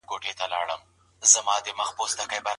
که ئې د ميرمني د مهر کومه برخه پاته وه.